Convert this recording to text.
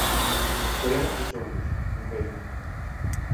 Queremos tesouros, Cunqueiro.